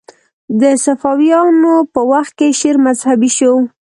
د صفویانو په وخت کې شعر مذهبي شو